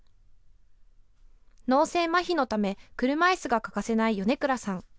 脳性まひのため車いすが欠かせない米倉さん。